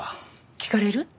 聞かれる？